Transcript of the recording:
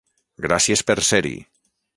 Gràcies per ser-hi.